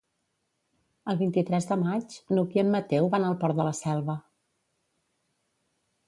El vint-i-tres de maig n'Hug i en Mateu van al Port de la Selva.